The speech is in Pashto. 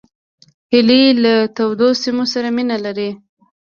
هیلۍ له تودو سیمو سره مینه لري